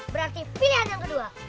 berarti pilihan yang kedua